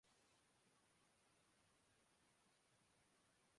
فیصلے عام آدمی کے ہاتھ میں نہیں۔